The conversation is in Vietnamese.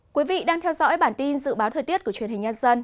quý vị đang theo dõi bản tin dự báo thời tiết của truyền hình nhân dân